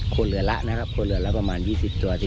คนเหลือละครับ๒๐ตัว